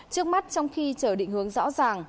trước mắt trong khi chờ định hướng rõ ràng